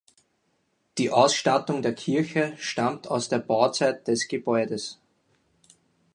Die Ausstattung der Kirche stammt aus der Bauzeit des Gebäudes.